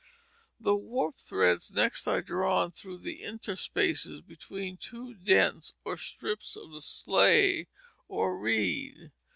The warp threads next are drawn through the interspaces between two dents or strips of the sley or reed.